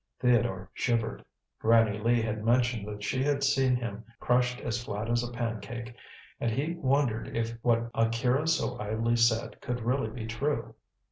Theodore shivered. Granny Lee had mentioned that she had seen him crushed as flat as a pancake, and he wondered if what Akira so idly said could really be true.